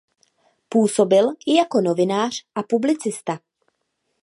Působil i jako novinář a publicista.